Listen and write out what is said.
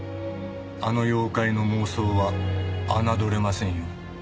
あの妖怪の妄想は侮れませんよ。